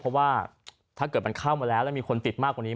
เพราะว่าถ้าเกิดมันเข้ามาแล้วแล้วมีคนติดมากกว่านี้